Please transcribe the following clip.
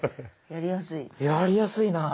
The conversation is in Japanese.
やりやすいなぁ。